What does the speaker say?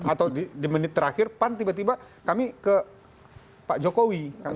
atau di menit terakhir pan tiba tiba kami ke pak jokowi